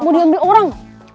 mau diambil orang